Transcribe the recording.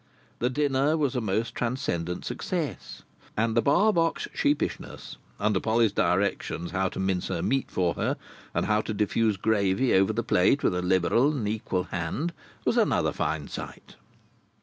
The dinner was a most transcendent success, and the Barbox sheepishness, under Polly's directions how to mince her meat for her, and how to diffuse gravy over the plate with a liberal and equal hand, was another fine sight.